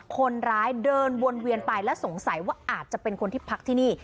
คนร้ายเดินวนเวียนไปและสงสัยว่าอาจจะเป็นคนที่พักที่นี่